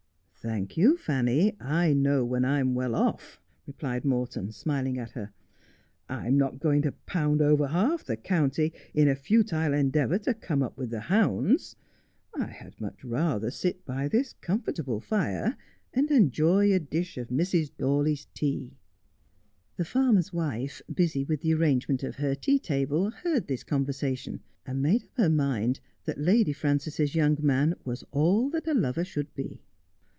' Thank you, Fanny, I know when I am well off,' replied Morton, smiling at her. ' I am not going to pound over half the county in a futile endeavour to come up with the hounds. I had much rather sit by this comfortable fire and enjoy a dish of Mrs. Dawley's tea.' ' The farmer's wife, busy with the arrangement of her tea table, heard this conversation, and made up her mind that Lady Frances's young man was all that a lover should be.